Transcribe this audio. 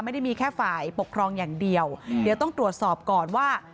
ไม่ได้มีแค่ฝ่ายปกครองอย่างเดียวเดี๋ยวต้องตรวจสอบก่อนว่า